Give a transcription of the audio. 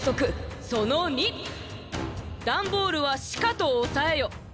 「ダンボールはしかとおさえよ！」。